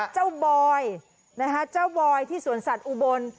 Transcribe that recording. บอยเจ้าบอยที่สวนสัตว์อุบล